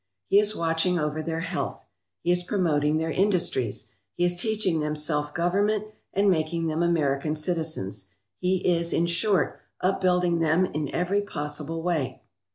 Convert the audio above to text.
He is watching over their health. He is promoting their industries. He is teaching them self government and making them American citizens. He is, in short, upbuilding them in every possible way.